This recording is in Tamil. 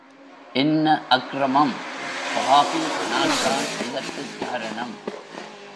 என்ன அக்ரமம் பாபி நான்தான் இதற்குக் காரணம்.